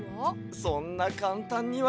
そんなかんたんには。